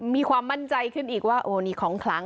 มีความมั่นใจขึ้นอีกว่าโอ้นี่ของคลัง